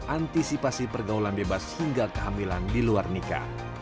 antisipasi pergaulan bebas hingga kehamilan di luar nikah